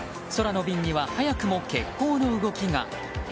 空の便には早くも欠航の動きが。